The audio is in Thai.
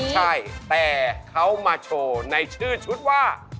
ใช่แต่เขามาโชว์ในชื่อชุดว่า